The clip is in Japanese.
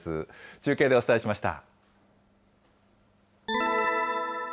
中継でお伝えしました。